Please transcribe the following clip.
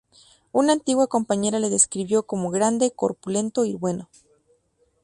Una antigua compañera le describió como "grande, corpulento y bueno".